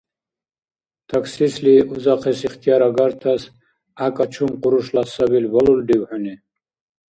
Таксистли узахъес ихтияр агартас гӀякӀа чум къурушла сабил балулрив хӀуни?!